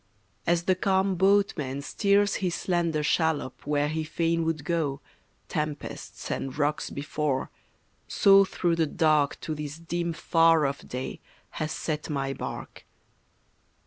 As the calm boatman steers His slender shallop where he fain would go, Tempests and rocks before, so through the dark To this dim, far off day has set my bark.